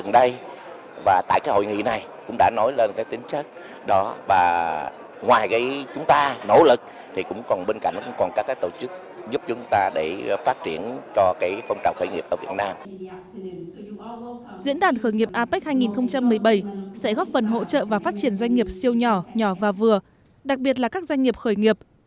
diễn đàn khởi nghiệp apec hai nghìn một mươi bảy sẽ góp phần hỗ trợ và phát triển doanh nghiệp siêu nhỏ nhỏ và vừa đặc biệt là các doanh nghiệp khởi nghiệp